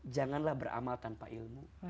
janganlah beramal tanpa ilmu